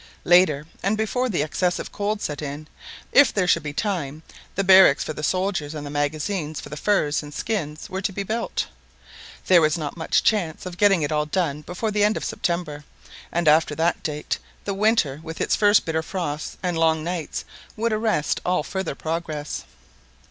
Later, and before the excessive cold set in, if there should be time, the barracks for the soldiers and the magazines for the furs and skins were to be built. There was not much chance of getting it all done before the end of September; and after that date, the winter, with its first bitter frosts and long nights, would arrest all further progress.